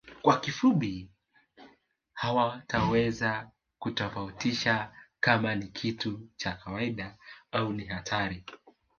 Kwa kifupi hataweza kutofautisha kama ni kitu cha kawaida au ni hatari